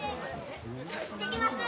行ってきます！